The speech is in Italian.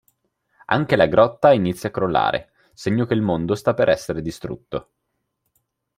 Anche la grotta inizia a crollare, segno che il mondo sta per essere distrutto.